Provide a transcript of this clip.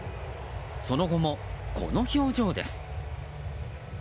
その後も、この表情です。